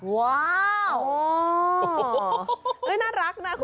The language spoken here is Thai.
ว้าวโอ๊ยน่ารักนะคน